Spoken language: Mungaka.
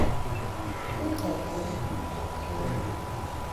I ka lin ma kə bub.